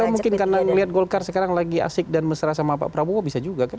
ya mungkin karena melihat golkar sekarang lagi asik dan mesra sama pak prabowo bisa juga